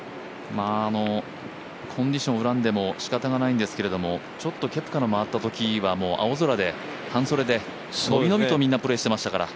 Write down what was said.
コンディションを恨んでもしかたないんですけども、ちょっとケプカのまわったときは青空で、半袖で伸び伸びとみんなプレーしてましたから。